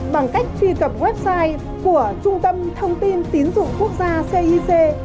bằng cách truy cập website của trung tâm thông tin tín dụng quốc gia cic